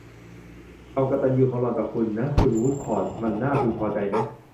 ความกตัญญูของหล่อนต่อคุณน่ะ คุณวู้ดคอร์ต มันน่าพึงพอใจนะ